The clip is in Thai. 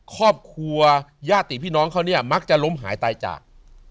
ครอบครัวญาติพี่น้องเขาเนี่ยมักจะล้มหายตายจาก